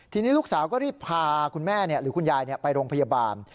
ทีนี้ลูกสาวก็รีบพาคุณแม่หรือคุณยายไปโรงพยาบาล